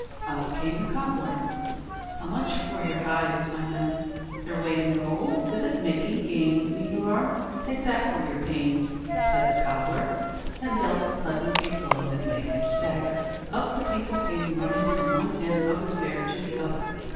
Out came the cobbler: "How much for your hides, my men?" "Their weight in gold." "Is it making game of me you are! Take that for your pains," and the cobbler dealt Hudden a blow that made him stagger. Up the people came running from one end of the fair to the other.